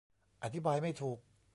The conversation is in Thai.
อธิบายไม่ถูก